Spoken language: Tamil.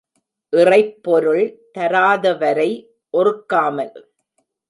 இறைப்பொருள் தராதவரை ஒறுக்காமல்.